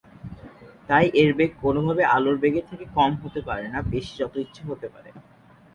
তাই এর বেগ কোনভাবেই আলোর বেগের থেকে কম হতে পারে না, বেশি যত ইচ্ছা হতে পারে।